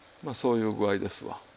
まあそういう具合ですわ。